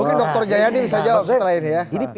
mungkin dr jayadi bisa jawab setelah ini ya